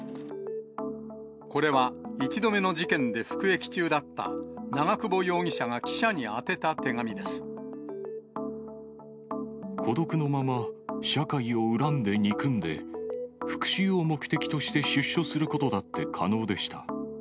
これは１度目の事件で服役中だった長久保容疑者が記者に宛てた手孤独のまま、社会を恨んで憎んで、復しゅうを目的として出所することだって可能でした。